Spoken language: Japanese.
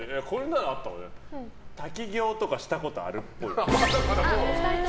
滝行とかしたことあるっぽい。